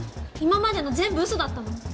今までの全部嘘だったの？